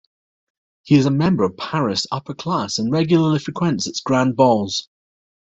He is a member of Paris' upper class and regularly frequents its grand balls.